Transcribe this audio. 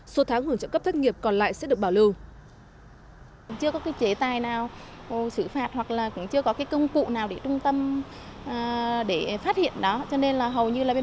số tháng hưởng trợ cấp thất nghiệp còn lại sẽ được bảo lưu